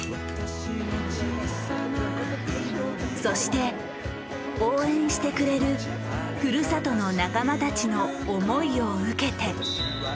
そして応援してくれるふるさとの仲間たちの思いを受けて。